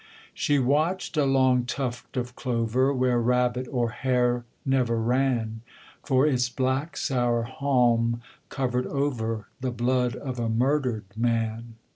She watched a long tuft of clover, Where rabbit or hare never ran; For its black sour haulm covered over The blood of a murdered man.